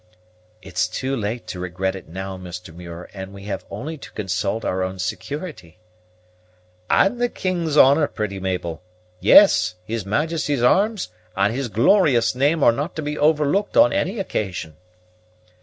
"It's too late to regret it now, Mr. Muir, and we have only to consult our own security." "And the king's honor, pretty Mabel. Yes, his Majesty's arms and his glorious name are not to be overlooked on any occasion."